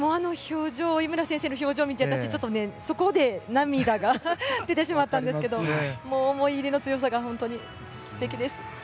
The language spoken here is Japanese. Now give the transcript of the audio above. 井村先生の表情を見てそこで涙が出てしまったんですけどもう、思い入れの強さがすごく素敵です。